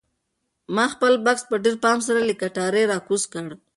ما خپل بکس په ډېر پام سره له کټاره راکوز کړ.